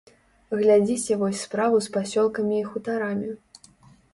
Глядзіце вось справу з пасёлкамі і хутарамі.